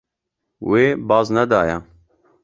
Wê baz nedaye.